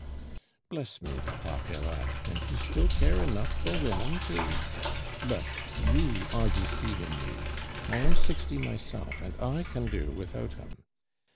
"Bless me, Papa Peyrade! and you still care enough for women to ? But you are deceiving me. I am sixty myself, and I can do without 'em.